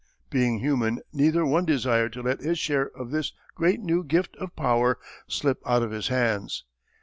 Being human neither one desired to let his share of this great new gift of power slip out of his hands.